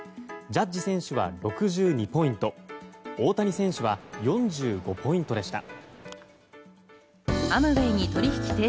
ジャッジ選手は６２ポイント大谷選手は４５ポイントでした。